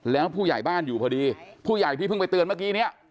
แล้วผู้ใหญ่บ้านอยู่พอดีผู้ใหญ่ที่เพิ่งไปเตือนเมื่อกี้เนี่ย